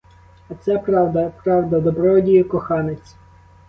А це правда, правда, добродію коханець!